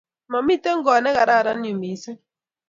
Mamiten koot negararan yu missing